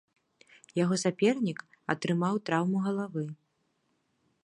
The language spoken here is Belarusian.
Яго сапернік атрымаў траўму галавы.